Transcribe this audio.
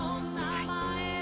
はい。